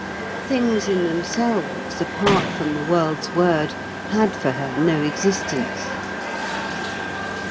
Things in themselves, apart from the world's word, had for her no existence.